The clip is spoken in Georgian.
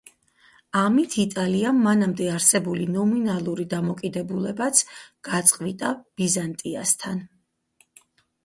ამით იტალიამ მანამდე არსებული ნომინალური დამოკიდებულებაც გაწყვიტა ბიზანტიასთან.